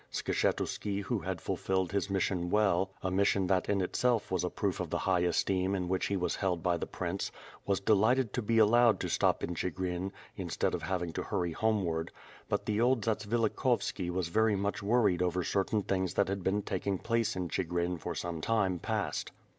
Skshetuski who had fulfilled his mission well, a mission that in itself was a proof of the high esteem in which he was held by the prince, was delighted to be allowed to stop in Chigrin, instead of having to hurry homeward; but the old Zatsvilikhovski was very much wor ried over certain things that had been taking place in Chi grin for some time past.